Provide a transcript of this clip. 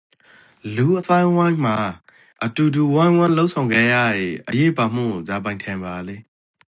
လူ့အသိုင်းအဝိုင်းမှာအတူတူဝိုင်းဝန်းလုပ်ဆောင်ကတ်ရရေအရေးပါမှုကိုဇာပိုင် ထင်ပါလဲ?